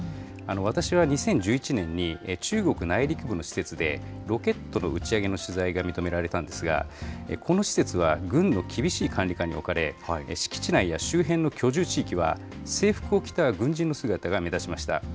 私は２０１１年に中国内陸部の施設で、ロケットの打ち上げの取材が認められたんですが、この施設は、軍の厳しい管理下に置かれ、敷地内や周辺の居住地域は制服を着た軍人の姿が目立ちました。